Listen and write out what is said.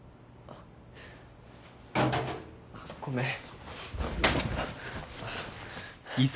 あっごめん。